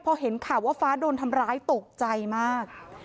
พอเห็นข่าวว่าฟ้าโดนทำร้ายตกใจมาก